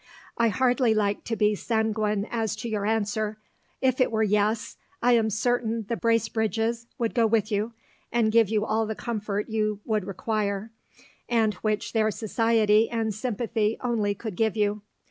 I hardly like to be sanguine as to your answer. If it were "yes," I am certain the Bracebridges would go with you and give you all the comfort you would require, and which their society and sympathy only could give you.